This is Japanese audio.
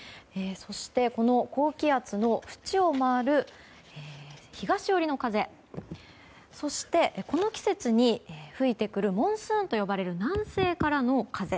そして、この高気圧のふちを回る東寄りの風そして、この季節に吹いてくるモンスーンと呼ばれる南西からの風。